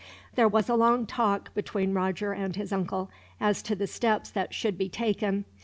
There was a long talk, between Roger and his uncle, as to the steps that should be taken.